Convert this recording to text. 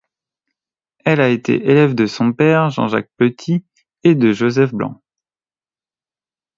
Elle a été élève de son père, Jean-Jacques Petit, et de Joseph Blanc.